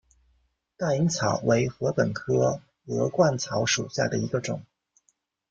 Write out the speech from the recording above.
大颖草为禾本科鹅观草属下的一个种。